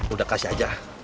udah kasih aja